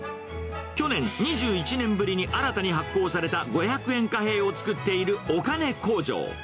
去年、２１年ぶりに新たに発行された五百円貨幣を造っているお金工場。